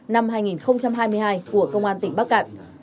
năm hai nghìn hai mươi hai của công an tỉnh bắc cạn